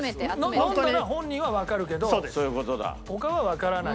飲んだら本人はわかるけど他はわからない。